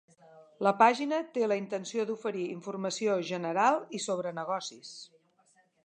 La pàgina té la intenció d'oferir informació general i sobre negocis.